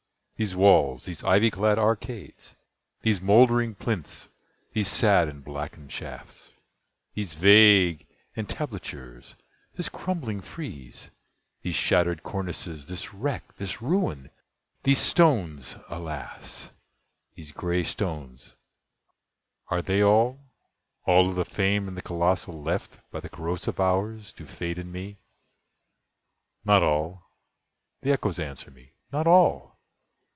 these walls—these ivy clad arcades— These mouldering plinths—these sad and blackened shafts— These vague entablatures—this crumbling frieze— These shattered cornices—this wreck—this ruin— These stones—alas! these gray stones—are they all— All of the famed, and the colossal left By the corrosive Hours to Fate and me? "Not all"—the Echoes answer me—"not all!